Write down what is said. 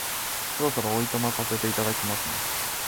そろそろお暇させていただきますね